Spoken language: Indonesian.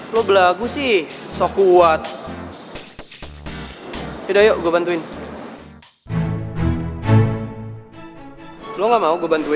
sampai jumpa di video selanjutnya